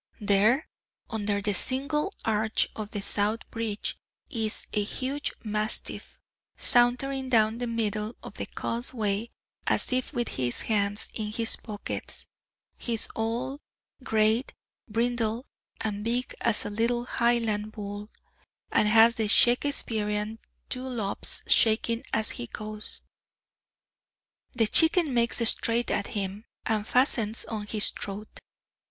There, under the single arch of the South bridge is a huge mastiff, sauntering down the middle of the causeway, as if with his hands in his pockets; he is old, gray, brindled, as big as a little Highland bull, and has the Shakespearian dewlaps shaking as he goes. The Chicken makes straight at him, and fastens on his throat.